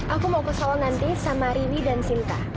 aku mau kesel nanti sama rimi dan sinta